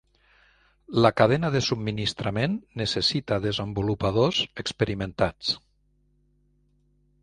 La cadena de subministrament necessita desenvolupadors experimentats.